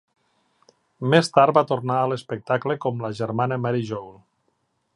Més tard va tornar a l'espectacle com la germana Mary Joel.